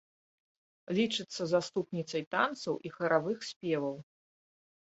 Лічыцца заступніцай танцаў і харавых спеваў.